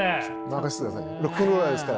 任してください。